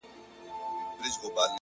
چي د خندا خبري پټي ساتي’